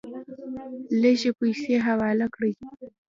لږې پیسې حواله کړې.